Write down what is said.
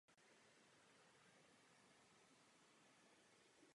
Letní průtok je znatelně větší než jarní.